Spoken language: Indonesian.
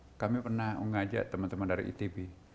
ya kami pernah mengajak teman teman dari itb